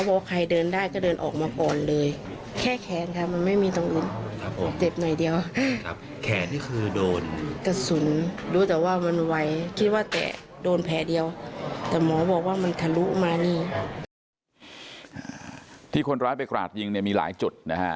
โดนแผลเดียวแต่หมอบอกว่ามันถรุมานี่ที่คนร้ายไปกราดยิงมีหลายจุดนะฮะ